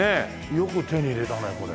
よく手に入れたねこれ。